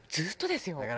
ずっとですよ。